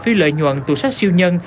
phi lợi nhuận tù sách siêu nhân